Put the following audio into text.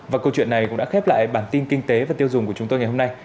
và câu chuyện này cũng đã khép lại bản tin kinh tế và tiêu dùng của chúng tôi ngày hôm nay